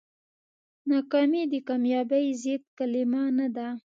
ناکامي د کامیابۍ ضد کلمه نه ده.